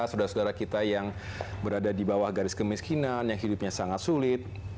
saudara saudara kita yang berada di bawah garis kemiskinan yang hidupnya sangat sulit